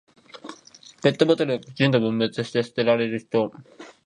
ペットボトルをきちんと分別して捨てられる人。